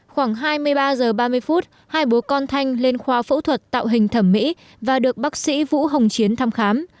khoảng hai mươi ba h ba mươi phút hai bố con thanh lên khoa phẫu thuật tạo hình thẩm mỹ và được bác sĩ vũ hồng chiến thăm khám